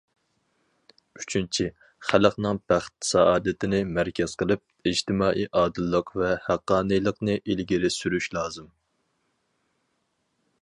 ئۈچىنچى، خەلقنىڭ بەخت- سائادىتىنى مەركەز قىلىپ، ئىجتىمائىي ئادىللىق ۋە ھەققانىيلىقنى ئىلگىرى سۈرۈش لازىم.